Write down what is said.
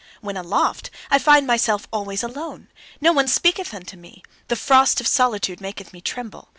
When aloft, I find myself always alone. No one speaketh unto me; the frost of solitude maketh me tremble.